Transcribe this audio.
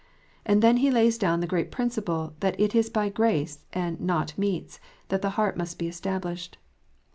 And then he lays down the great principle that it is by " grace," and " not meats," that the heart must be established.